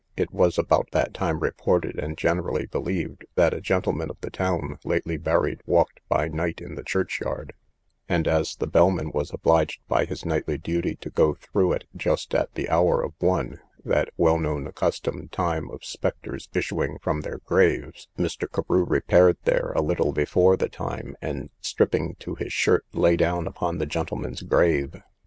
It was about that time reported and generally believed, that a gentleman of the town, lately buried, walked by night in the church yard; and, as the bellman was obliged by his nightly duty to go through it just at the hour of one, that well known accustomed time of spectres issuing from their graves, Mr. Carew repaired there a little before the time, and, stripping to his shirt, lay down upon the gentleman's grave.